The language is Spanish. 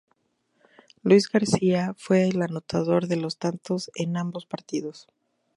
Luis García fue el anotador de los tantos en ambos partidos.